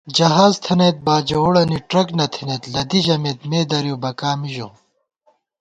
جہاز نہ تھنَئیت باجَوُڑَنی ٹرک تھنَئیت لدِی ژمېت مےدرِؤ بَکا مَژِؤ